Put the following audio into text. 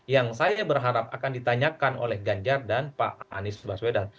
yang saya berharap akan ditanyakan oleh ganjar dan pak anies baswedan